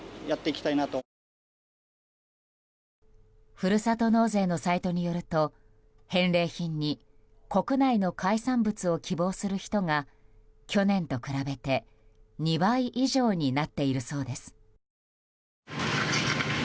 ふるさと納税のサイトによると返礼品に国内の海産物を希望する人が去年と比べて２倍以上になっているそうです。